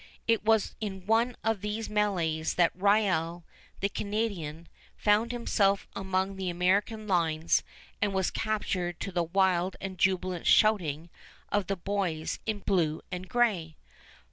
It was in one of these mêlées that Riall, the Canadian, found himself among the American lines and was captured to the wild and jubilant shouting of the boys in blue and gray.